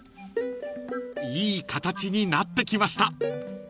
［いい形になってきました］